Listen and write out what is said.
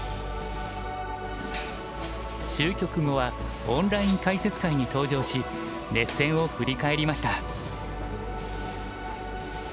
終局後はオンライン解説会に登場し熱戦を振り返りました。